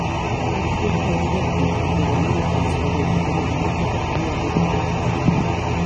প্রত্নতত্ত্ব অধিদপ্তর সূত্রে জানা গেছে, নৌকাটির ভেতরে জমে থাকা পলি অপসারণ করা হচ্ছে।